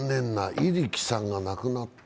入来さんが亡くなった。